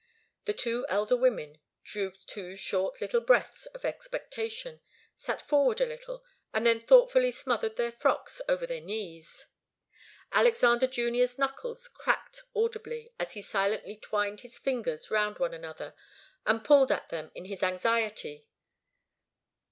The two elder women drew two short little breaths of expectation, sat forward a little, and then thoughtfully smoothed their frocks over their knees. Alexander Junior's knuckles cracked audibly, as he silently twined his fingers round one another, and pulled at them in his anxiety.